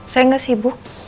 saya gak sibuk